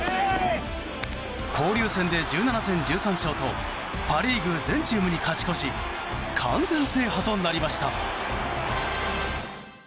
交流戦で１７戦１３勝とパ・リーグ全チームに勝ち越し完全制覇となりました。